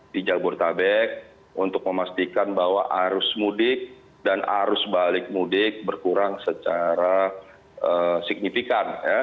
di jabodetabek untuk memastikan bahwa arus mudik dan arus balik mudik berkurang secara signifikan